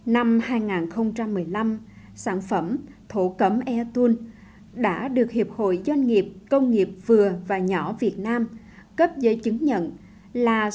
năm hai nghìn một mươi năm sản phẩm thổ cấm e tun đã được hiệp hội doanh nghiệp công nghiệp vừa và nhỏ việt nam cấp giới chứng nhận là sản phẩm đặc biệt